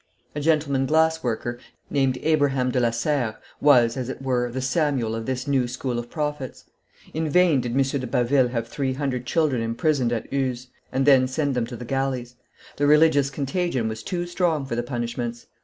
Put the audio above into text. A gentleman glass worker, named Abraham de la Serre, was, as it were, the Samuel of this new school of prophets. In vain did M. de Baville have three hundred children imprisoned at Uzes, and then send them to the galleys; the religious contagion was too strong for the punishments.